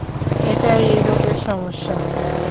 এটাই এই রোগের সমস্যা।